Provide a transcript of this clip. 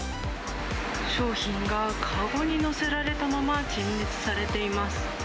商品が籠に載せられたまま陳列されています。